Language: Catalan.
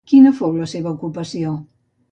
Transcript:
Quina fou la seva ocupació?